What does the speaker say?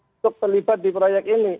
untuk terlibat di proyek ini